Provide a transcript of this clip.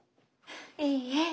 いいえ。